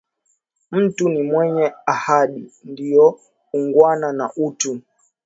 Mtu ni mwenye ahadi, ndio u’ngwana na utu